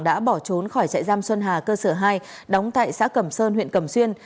đã bỏ trốn khỏi trại giam xuân hà cơ sở hai đóng tại xã cẩm sơn huyện cẩm xuyên